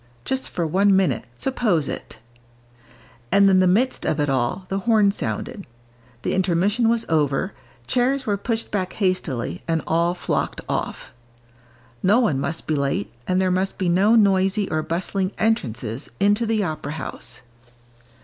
Just for one minute, suppose it! And in the midst of it all, the horn sounded; the intermission was over, chairs were pushed back hastily, and all flocked off. No one must be late, and there must be no noisy or bustling entrances into the opera house.